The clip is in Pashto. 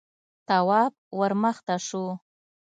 تواب ور مخته شو: